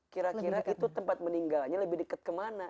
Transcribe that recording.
kira kira itu tempat meninggalnya lebih dekat kemana